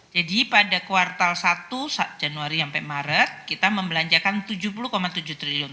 jadi pada kuartal satu januari sampai maret kita membelanjakan tujuh puluh tujuh triliun